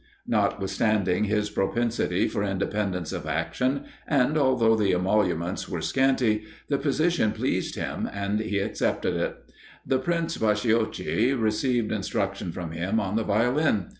Notwithstanding his propensity for independence of action, and although the emoluments were scanty, the position pleased him, and he accepted it. The Prince Bacciochi received instruction from him on the Violin.